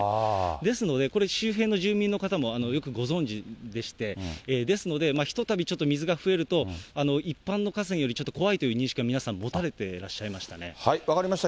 ですのでこれ、周辺の住民の方もよくご存じでして、ですので、ひとたびちょっと水が増えると、一般の河川よりちょっと怖いという認識は皆さん持たれてらっしゃ分かりました。